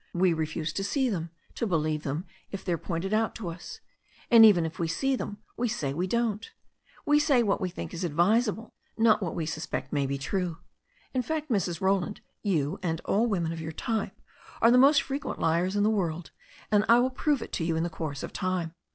We refuse to see them, to believe them if they are pointed out to us. And even if we see them, we say we don't. We say what we think is advisable, not what we sus pect may be true. In fact, Mrs. Roland, you, and all women 154 THE STORY OF A NEW ZEALAND RIVER of your type, are the most frequent liars in the world, and I will prove it to you in the course of time.